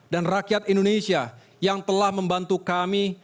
dan rakyat indonesia yang telah membantu kami